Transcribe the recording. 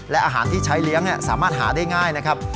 และอาหารที่ใช้เลี้ยงสามารถหาได้ง่ายนะครับ